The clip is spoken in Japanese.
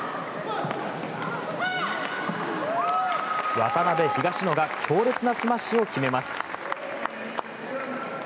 渡辺、東野が強烈なスマッシュを決めます。